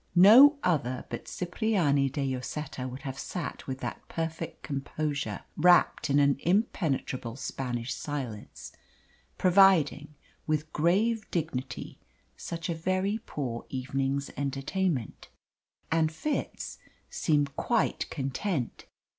No other but Cipriani de Lloseta would have sat with that perfect composure, wrapt in an impenetrable Spanish silence, providing with grave dignity such a very poor evening's entertainment. And Fitz seemed quite content.